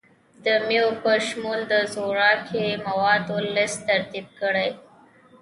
د میوو په شمول د خوراکي موادو لست ترتیب کړئ.